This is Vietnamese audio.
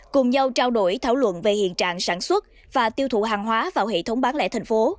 cùng nhau trao đổi thảo luận về hiện trạng sản xuất và tiêu thụ hàng hóa vào hệ thống bán lẻ thành phố